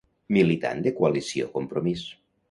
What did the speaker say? Militant de Coalició Compromís.